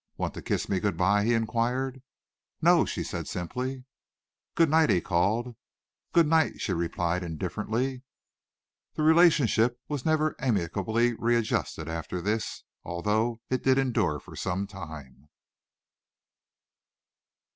"Want to kiss me good bye?" he inquired. "No," she said simply. "Good night," he called. "Good night," she replied indifferently. The relationship was never amicably readjusted after this, although it did endure for some time.